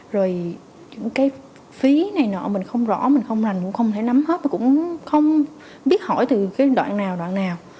rồi những cái phí này nọ mình không rõ mình không rành mình cũng không thể nắm hết mình cũng không biết hỏi từ cái đoạn nào đoạn nào